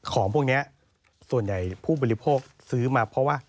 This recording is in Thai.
ของพวกนี้ส่วนใหญ่ผู้บริโภคซื้อมาเพราะว่า